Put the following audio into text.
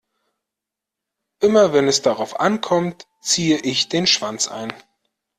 Immer wenn es darauf ankommt, ziehe ich den Schwanz ein.